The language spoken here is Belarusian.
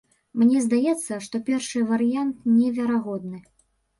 Мне здаецца, што першы варыянт неверагодны.